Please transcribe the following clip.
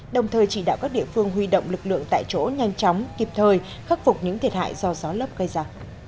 đồng thời chỉ đạo các địa phương huy động lực lượng tại chỗ nhanh chóng kịp thời khắc phục những thiệt hại do gió lấp gây ra